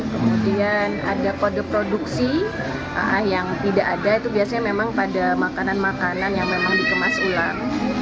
kemudian ada kode produksi yang tidak ada itu biasanya memang pada makanan makanan yang memang dikemas ulang